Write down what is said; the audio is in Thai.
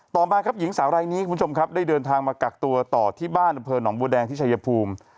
ต่อมาครับหญิงสาวรายนี้คุณผู้ชมครับได้เดินทางมากักตัวต่อที่บ้านอำเภอหนองบัวแดงที่ชายภูมิ